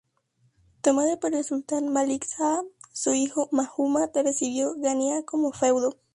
Tomada por el sultán Malik Shah, su hijo Muhámmad recibió Ganyá como feudo.